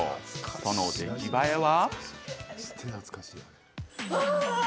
その出来栄えは。